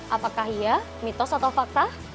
apakah iya mitos atau fakta